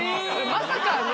まさかね